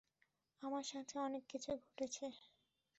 আমার সাথে অনেককিছু ঘটছে।